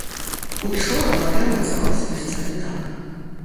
Учора мадэм мацаваўся да сцяны так.